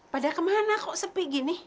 padahal ke mana kok sepi gini